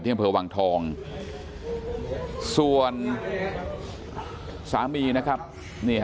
ที่กับเผอวังทองส่วนสามีนะครับนี่ฮะ